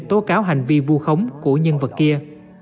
tố cáo hành vi vu khống của nhân vật kia